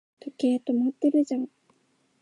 時計、止まってるじゃん